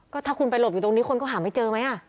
ก็ถ้าคุณไปหลบอยู่ตรงนี้คนก็หาไม่เจอไหม